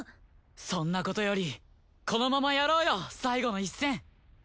そんなことよりこのままやろうよ最後の一戦！